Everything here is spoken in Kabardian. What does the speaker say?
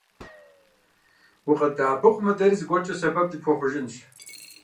УкъыддэӀэпыкъумэ, дэри зыгуэркӀэ сэбэп дыпхуэхъужынщ.